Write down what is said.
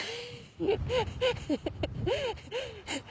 フフフ。